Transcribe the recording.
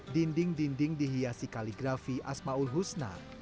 dinding dinding dihiasi kaligrafi asma'ul husna